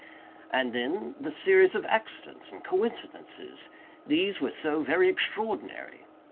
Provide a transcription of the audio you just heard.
And then the series of accidents and coincidences—these were so very extraordinary.